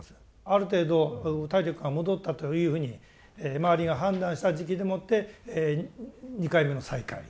ある程度体力が戻ったというふうに周りが判断した時期でもって２回目の再開。